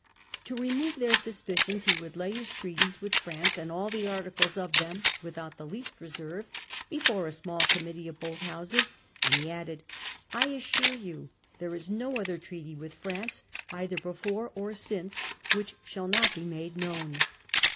To remove their suspicions he would lay his treaties with France, and all the articles of them, without the least reserve, before a small committee of both Houses ; and he added, ( I assure you there is no other treaty with France, either before or since, which shall not be made known.